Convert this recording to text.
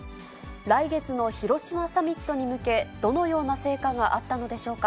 来月の広島サミットに向け、どのような成果があったのでしょうか。